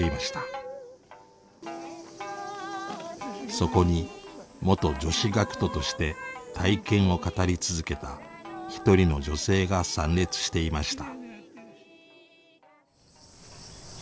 そこに元女子学徒として体験を語り続けた一人の女性が参列していました。